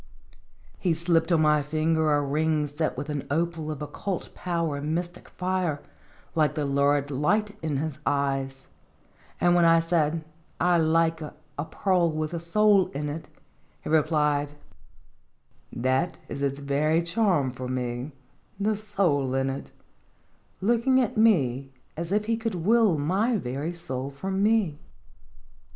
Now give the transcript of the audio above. He slipped on my finger a ring set with an opal of occult power and mystic fire, like the lurid light in his eyes ; and when I said, " I like 'a pearl with a soul in it,'" he replied: " That is its very charm for me the soul in it," looking at me as if he could will my very soul from me.